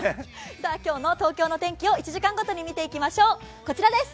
今日の東京の天気を１時間ごとに見ていきましょう。